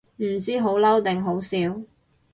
唔知好嬲定好笑